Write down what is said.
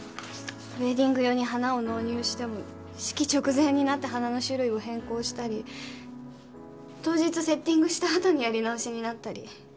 ウエディング用に花を納入しても式直前になって花の種類を変更したり当日セッティングした後にやり直しになったり。